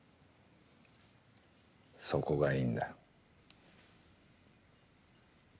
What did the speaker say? そこがいいんだ。